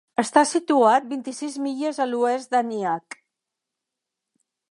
Està situat vint-i-sis milles a l'oest d'Aniak.